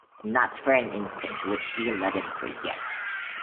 Not for an instant would she let him forget.